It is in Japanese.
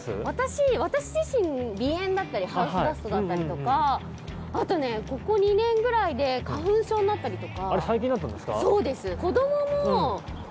私自身、鼻炎だったりハウスダストだったりとかあとね、ここ２年くらいで花粉症になったりとか。